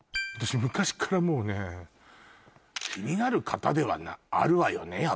私昔からもうね気になる方ではあるわよね